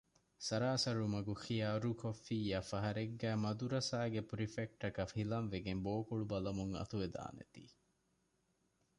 ސަރާސަރު މަގު ޚިޔާރުކޮށްފިއްޔާ ފަހަރެއްގައި މަދުރަސާގެ ޕުރިފެކްޓަކަށް ހިލަން ވެގެން ބޯކޮޅު ބަލަމުން އަތުވެދާނެ ތީ